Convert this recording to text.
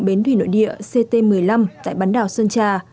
bến thủy nội địa ct một mươi năm tại bán đảo sơn trà